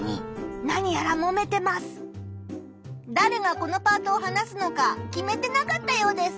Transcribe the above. だれがこのパートを話すのか決めてなかったようです。